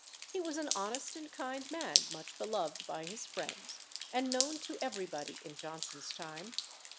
He was an honest and kind man, much beloved by his friends, and known to everybody in Johnson's time.